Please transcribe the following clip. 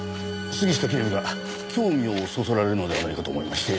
杉下警部が興味をそそられるのではないかと思いまして。